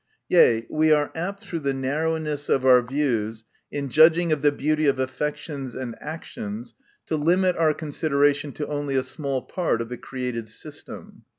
Yea, we are apt, through the narrowness of our views, in judging of the beauty of affections and actions to limit our consideration to only a small part of the created system.